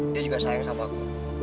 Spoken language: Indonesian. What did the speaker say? dia juga sayang sama aku